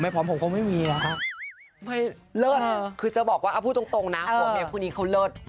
ไม่เลิศคือจะบอกว่าพูดตรงนะผมเมียคือนี้เขาเลิศ